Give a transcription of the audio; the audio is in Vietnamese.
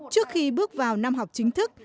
trước khi bước vào năm học chính thức